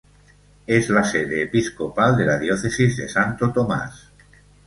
Es la sede episcopal de la Diócesis de Santo Tomás.